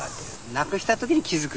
なくした時に気付く。